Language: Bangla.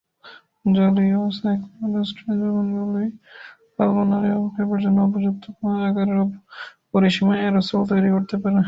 জলীয় সাইক্লোডেস্ট্রিন দ্রবণগুলি পালমোনারি অবক্ষেপের জন্য উপযুক্ত কণার আকারের পরিসীমায় অ্যারোসল তৈরি করতে পারে।